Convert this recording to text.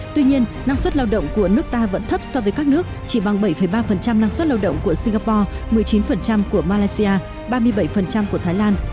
tuy nhiên năng suất lao động của nước ta vẫn thấp so với các nước chỉ bằng bảy ba năng suất lao động của singapore một mươi chín của malaysia ba mươi bảy của thái lan